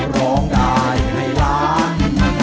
ร้องได้ให้ล้าน